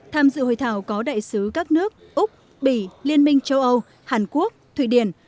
tham dự hội thảo có đại sứ các nước úc bỉ liên minh châu âu hàn quốc thụy điển